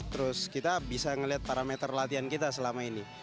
terus kita bisa melihat parameter latihan kita selama ini